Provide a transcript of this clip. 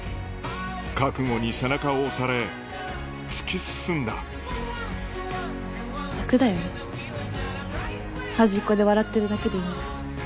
覚悟に背中を押され突き進んだ楽だよね端っこで笑ってるだけでいいんだし。